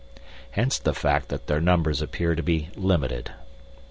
Hence the fact that their numbers appear to be limited.